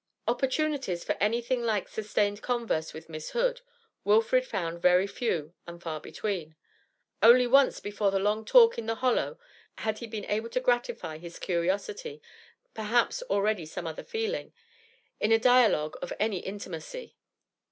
Opportunities for anything like sustained converse with Miss Hood, Wilfrid found very few and far between; only once before the long talk in the hollow had he been able to gratify his curiosity perhaps already some other feeling in a dialogue of any intimacy.